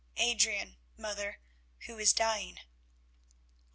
"Adrian, mother, who is dying."